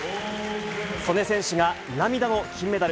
素根選手が涙の金メダル。